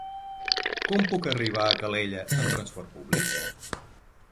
Com puc arribar a Calella amb trasport públic?